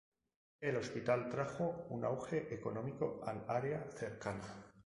El hospital trajo un auge económico al área cercana.